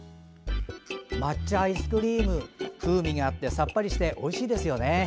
抹茶アイスクリーム風味があってさっぱりしておいしいですよね。